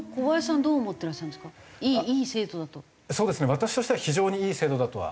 私としては非常にいい制度だとは。